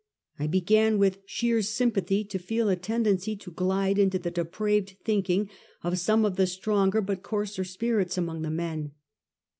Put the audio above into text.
I began from sheer sympathy to feel a tendency to glide into the depraved thinking of some of the stronger but coarser spirits among the men.